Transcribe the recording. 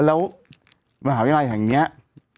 แล้วหาวิทยาลัยแหละ